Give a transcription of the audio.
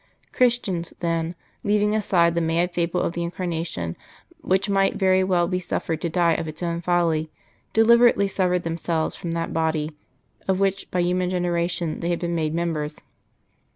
Christians, then leaving aside the mad fable of the Incarnation, which might very well be suffered to die of its own folly deliberately severed themselves from that Body of which by human generation they had been made members.